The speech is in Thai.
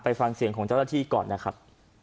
ฟังเสียงของเจ้าหน้าที่ก่อนนะครับ